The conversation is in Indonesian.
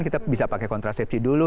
kita bisa pakai kontrasepsi dulu